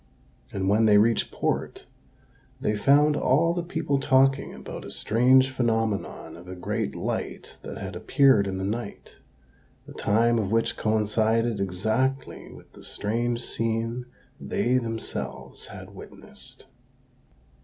And when they reached port, they found all the people talking about a strange phenomenon of a great light that had appeared in the night, the time of which coincided exactly with the strange scene they themselves had witnessed.